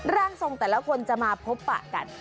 ร่างทรงแต่ละคนจะมาพบปะกัน